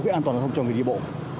cái an toàn giao thông cho người đi bộ